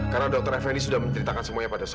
karena dr effendi sudah menceritakan semuanya pada saya